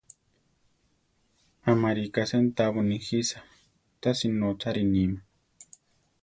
Amarika sentabo nijisa, tasi nótzari nima.